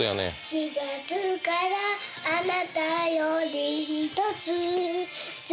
「４月からあなたより１つ」